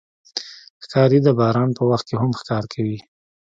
ښکاري د باران په وخت کې هم ښکار کوي.